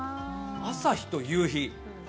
朝日と夕日？